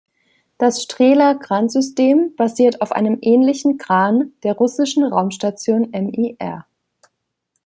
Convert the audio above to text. Das Strela-Kransystem basiert auf einem ähnlichen Kran der russischen Raumstation Mir.